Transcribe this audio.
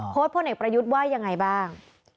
โพสต์พ่อเหน็กประยุทธ์ว่ายังไงบ้าง